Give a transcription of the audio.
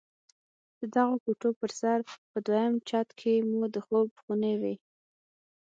د دغو کوټو پر سر په دويم چت کښې مو د خوب خونې وې.